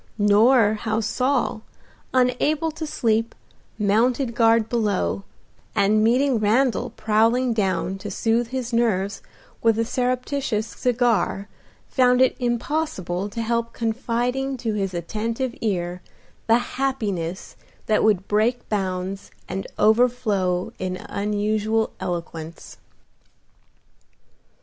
Nor how Saul, unable to sleep, mounted guard below, and meeting Randal prowling down to soothe his nerves with a surreptitious cigar found it impossible to help confiding to his attentive ear the happiness that would break bounds and overflow in unusual eloquence.